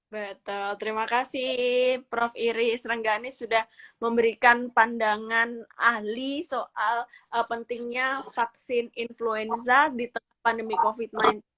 betul terima kasih prof iris renggani sudah memberikan pandangan ahli soal pentingnya vaksin influenza di tengah pandemi covid sembilan belas